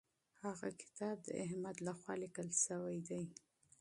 هغه کتاب د احمد لخوا لیکل سوی دی.